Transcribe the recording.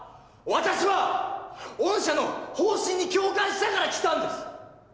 私は御社の方針に共感したから来たんです！